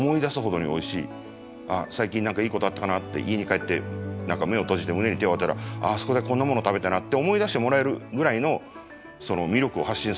ああ最近何かいいことあったかなって家に帰って何か目を閉じて胸に手を置いたらあそこでこんなものを食べたなって思い出してもらえるぐらいの魅力を発信することだってできるはず。